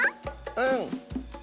うん！